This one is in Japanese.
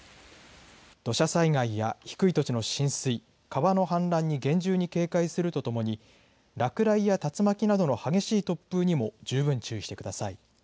土砂災害や低い土地の浸水川の氾濫に厳重に警戒するとともに落雷や竜巻などの激しい突風にも十分注意してください。